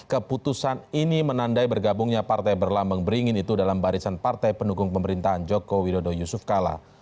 keputusan ini menandai bergabungnya partai berlambang beringin itu dalam barisan partai pendukung pemerintahan joko widodo yusuf kala